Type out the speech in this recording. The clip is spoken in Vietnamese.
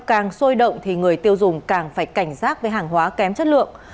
càng sôi động thì người tiêu dùng càng phải cảnh giác với hàng hóa kém chất lượng